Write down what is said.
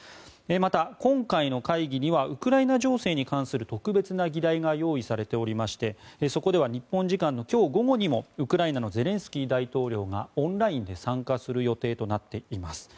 また、今回の会議にはウクライナ情勢に関する特別な議題が用意されておりましてそこでは日本時間の今日午後にもウクライナのゼレンスキー大統領がオンラインで参加する予定となっています。